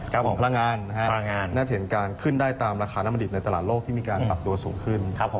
ของพลังงานนะครับน่าจะเห็นการขึ้นได้ตามราคาน้ำมันดิบในตลาดโลกที่มีการปรับตัวสูงขึ้น